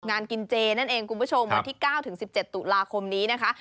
งานกินเจนั่นเองคุณผู้ชมวันที่๙ถึง๑๗ตุลาคมนี้นะคะ